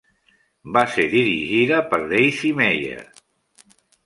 Va ser dirigida per Daisy Mayer.